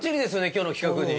今日の企画に。